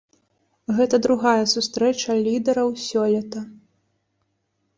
Гэта другая сустрэча лідэраў сёлета.